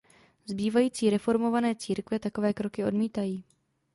Zbývající reformované církve takové kroky odmítají.